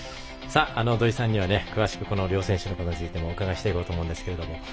土居さんには詳しくこの両選手についてもお伺いしていこうと思うんですけれども。